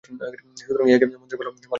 সুতরাং ইহাকে মন্দের ভাল বলা যাইতে পারে।